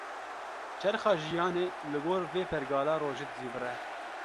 Çerxa jiyanê, li gor vê pergala rojê dizîvire